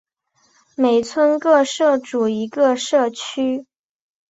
每村各设组一个社区。